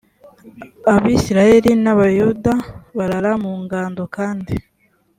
abisirayeli n abayuda barara mu ngando kandi